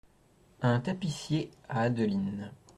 Un tapissier , à Adeline.